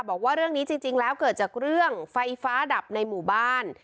บอกว่าเรื่องนี้จริงแล้วเกิดจากเรื่องไฟฟ้าดับในหมู่บ้าน